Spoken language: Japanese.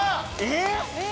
えっ！